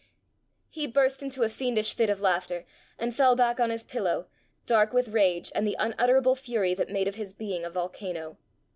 He burst into a fiendish fit of laughter, and fell back on his pillow, dark with rage and the unutterable fury that made of his being a volcano.